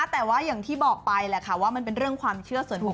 แต่ว่าอย่างที่บอกไปแหละค่ะว่ามันเป็นเรื่องความเชื่อส่วนหัว